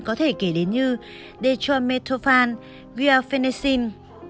có thể kể đến như destro methofax guafenicin